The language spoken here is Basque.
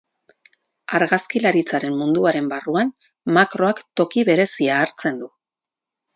Argazkilaritzaren munduaren barruan, makroak toki berezia hartzen du.